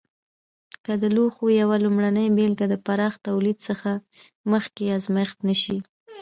که د لوښو یوه لومړنۍ بېلګه د پراخ تولید څخه مخکې ازمېښت نه شي.